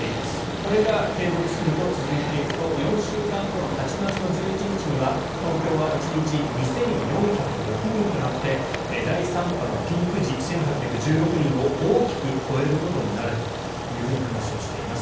これが継続すると続いていくと４週間後の８月１１日には東京は１日２４０６人となって第３波のピーク時１８１６人を大きく超えることになると話しています。